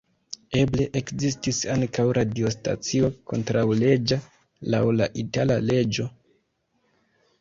Eble ekzistis ankaŭ radiostacio kontraŭleĝa laŭ la itala leĝo.